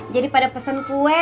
jadi pada pesan kue